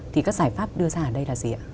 thì các giải pháp đưa ra ở đây là gì ạ